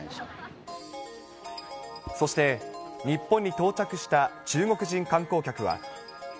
そして日本に到着した中国人